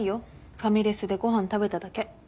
ファミレスでご飯食べただけ。